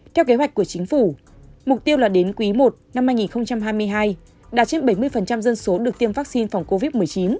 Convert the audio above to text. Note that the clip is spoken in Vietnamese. theo kế hoạch của chính phủ mục tiêu là đến quý i năm hai nghìn hai mươi hai đạt trên bảy mươi dân số được tiêm vaccine phòng covid một mươi chín